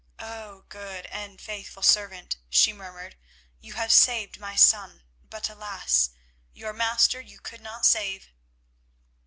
"Oh! good and faithful servant," she murmured, "you have saved my son, but alas! your master you could not save."